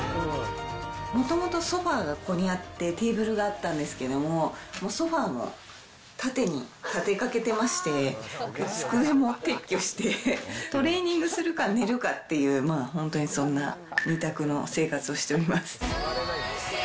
もともとソファーがここにあって、テーブルがあったんですけど、ソファーも縦に立てかけてまして、机も撤去して、トレーニングするか、寝るかっていう、まあ、本当にそんな、二択の生活をしております。